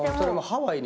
ハワイよ。